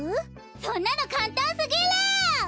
そんなのかんたんすぎる！